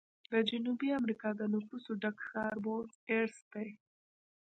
د جنوبي امریکا د نفوسو ډک ښار بونس ایرس دی.